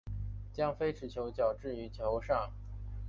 将非持球脚置于球上。